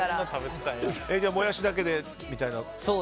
じゃあ、モヤシだけでみたいな。